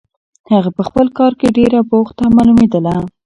هغه په خپل کار کې ډېره بوخته معلومېدله.